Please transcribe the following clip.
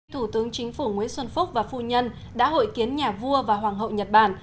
thủ tướng chính phủ nguyễn xuân phúc và phu nhân đã hội kiến nhà vua và hoàng hậu nhật bản